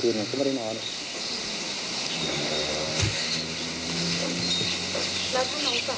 แล้วถ้าน้องศักดิ์มันอยู่บ้านน้องศักดิ์มันอยู่บ้าน